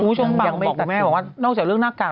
คุณผู้ชมบางบอกกับแม่บอกว่านอกจากเรื่องหน้ากาก